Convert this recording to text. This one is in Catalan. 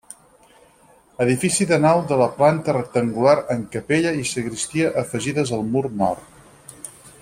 Edifici de nau de la planta rectangular amb capella i sagristia afegides al mur nord.